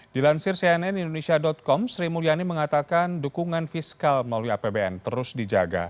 dilansir cnn indonesia com sri mulyani mengatakan dukungan fiskal melalui apbn terus dijaga